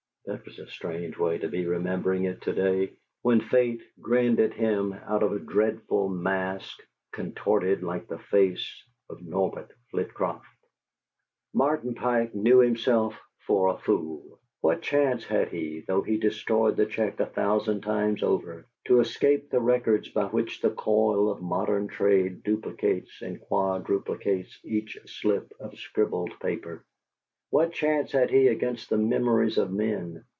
That was a strange way to be remembering it to day, when Fate grinned at him out of a dreadful mask contorted like the face of Norbert Flitcroft. Martin Pike knew himself for a fool. What chance had he, though he destroyed the check a thousand times over, to escape the records by which the coil of modern trade duplicates and quadruplicates each slip of scribbled paper? What chance had he against the memories of men?